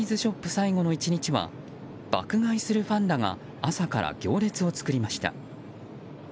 最後の１日は爆買いするファンらが朝から行列を作りました。